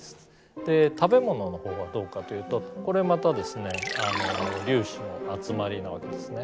で食べ物のほうはどうかというとこれまたですね粒子の集まりなわけですね。